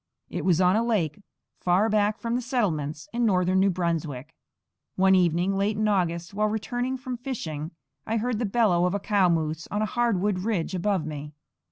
It was on a lake, far back from the settlements, in northern New Brunswick. One evening, late in August, while returning from fishing, I heard the bellow of a cow moose on a hardwood ridge above me.